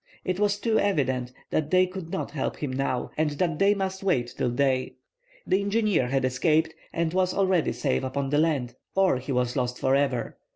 It was too evident that they could not help him now, and that they must wait till day. The engineer had escaped, and was already safe upon the land, or he was lost forever.